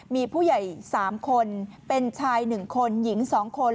มีผู้ใหญ่๓คนเป็นชาย๑คนหญิง๒คน